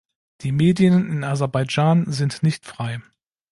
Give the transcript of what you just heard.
Die Medien in Aserbaidschan sind nicht frei.